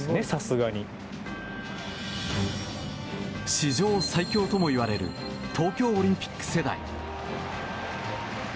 史上最強ともいわれる東京オリンピック世代。